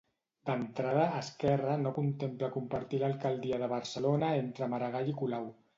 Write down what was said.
D'entrada, Esquerra no contempla compartir l'alcaldia de Barcelona entre Maragall i Colau.